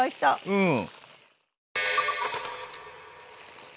うん！